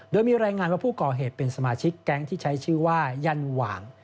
โดยมีรายงานว่าผู้ก่อเหตุเป็นสมาชิกแก๊งที่ใช้ชื่อว่ายันหว่าง